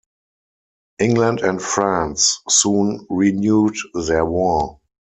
England and France soon renewed their war.